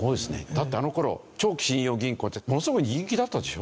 だってあの頃長期信用銀行ってものすごく人気だったでしょ？